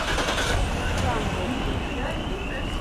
Tamburka.